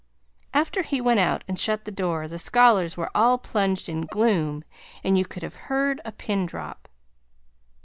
After he went out and shut the door the scholars were all plunged in gloom and you could have heard a pin drop.